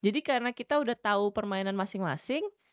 jadi karena kita udah tau permainan masing masing